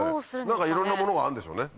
何かいろんなものがあるんでしょうね。